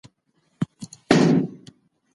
مناسبه ده چي هر کار په خپل وخت وشي.